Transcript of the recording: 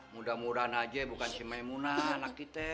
mudah mudahan aja bukan si maimunah anak kita